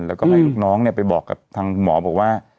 แล้วก็ให้ลูกน้องไปบอกกับทางหมอบอกว่า